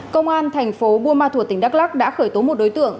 công an thành phố buôn ma thuột tỉnh đắk lắc đã khởi tố một đối tượng